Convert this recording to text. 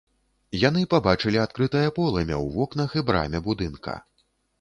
Яны пабачылі адкрытае полымя ў вокнах і браме будынка.